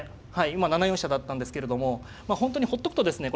今７四飛車だったんですけれども本当にほっとくとですね